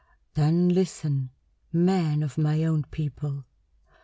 "Then listen, man of my own people.